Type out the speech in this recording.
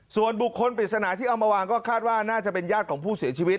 ส่วนบุคคลปริศนาที่เอามาวางก็คาดว่าน่าจะเป็นญาติของผู้เสียชีวิต